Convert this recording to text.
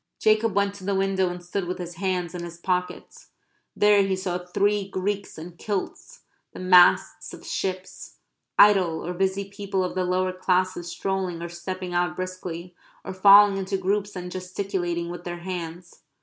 Jacob went to the window and stood with his hands in his pockets. There he saw three Greeks in kilts; the masts of ships; idle or busy people of the lower classes strolling or stepping out briskly, or falling into groups and gesticulating with their hands.